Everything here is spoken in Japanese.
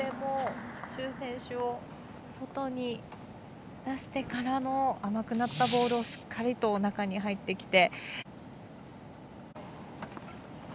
朱選手を外に出してからの甘くなったボールをしっかりと中に入ってきて。